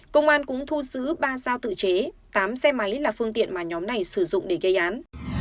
công an cũng thu giữ ba dao tự chế tám xe máy là phương tiện mà nhóm này sử dụng để gây án